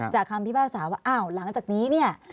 จากคำพิพากษาว่าอ้าวหลังจากนี้